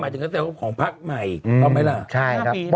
คือหมายถึงของพรรคใหม่เอาไหมล่ะ